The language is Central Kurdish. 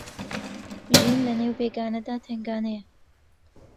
ژین لە نێو بێگانەدا تەنگانەیە